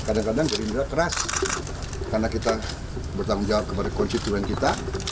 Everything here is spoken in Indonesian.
kadang kadang gerindra keras karena kita bertanggung jawab kepada konstituen kita